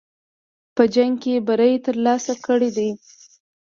په جنګ کې بری ترلاسه کړی دی.